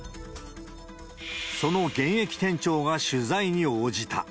その現役店長が取材に応じた。